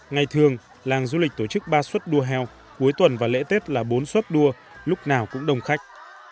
ngày thường làng du lịch tổ chức ba suất đua heo cuối tuần và lễ tết là bốn suất đua lúc nào cũng đông khách